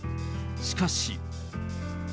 しかし。